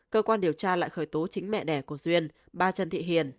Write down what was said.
cơ quan điều tra lại khởi tố chính mẹ đẻ của duyên bà trần thị hiền